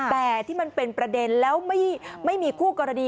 แต่ที่มันเป็นประเด็นแล้วไม่มีคู่กรณี